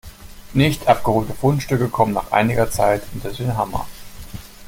Nicht abgeholte Fundstücke kommen nach einiger Zeit unter den Hammer.